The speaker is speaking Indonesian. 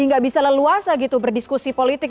nggak bisa leluasa gitu berdiskusi politik